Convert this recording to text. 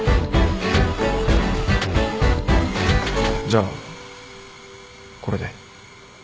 じゃあこれで。